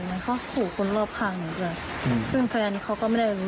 ขอขอร้องคุณรอบนะคะข่าวก็ไม่ได้มี๗๐๐